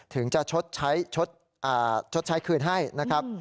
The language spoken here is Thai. ถึงจะชดใช้ชดใช้คืนให้นะครับ